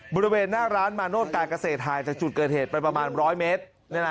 บริเวณหน้าร้านมาโนธการเกษตรห่างจากจุดเกิดเหตุไปประมาณ๑๐๐เมตร